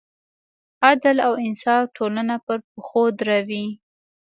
عدل او انصاف ټولنه پر پښو دروي.